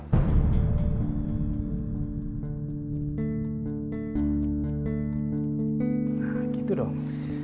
nah gitu dong